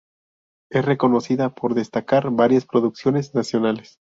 Es reconocida por destacar varias producciones nacionales.